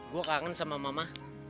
gue kangen sama mama